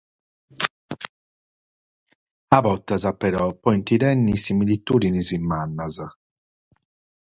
A bortas, però, podent tènnere similitùdines mannas.